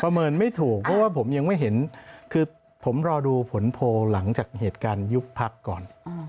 เมินไม่ถูกเพราะว่าผมยังไม่เห็นคือผมรอดูผลโพลหลังจากเหตุการณ์ยุบพักก่อน